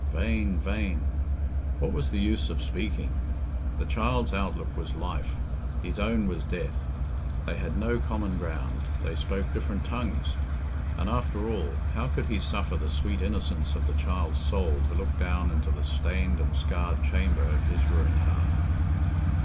Vain! vain! What was the use of speaking? The child's outlook was life; his own was death; they had no common ground; they spoke different tongues. And, after all, how could he suffer the sweet innocence of the child's soul to look down into the stained and scarred chamber of his ruined heart?